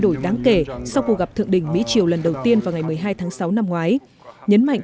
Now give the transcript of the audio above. đổi đáng kể sau cuộc gặp thượng đỉnh mỹ triều lần đầu tiên vào ngày một mươi hai tháng sáu năm ngoái nhấn mạnh